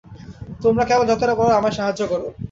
তোমরা কেবল যতটা পার, আমায় সাহায্য কর।